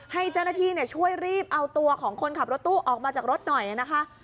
ให้เจ้าหน้าที่ช่วยรีบเอาตัวของคนขับรถตู้ออกมาจากรถหน่อยนะคะ